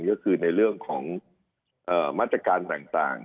ก็คือในเรื่องของมาตรการต่าง